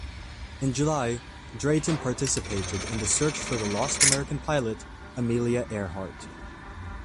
In July, "Drayton" participated in the search for the lost American pilot, Amelia Earhart.